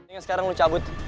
sehingga sekarang lu cabut